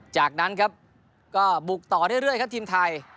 จากนั้นครับก็บุกต่อเรื่อยครับทีมไทย